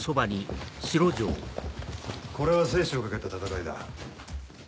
これは生死を懸けた戦いだ。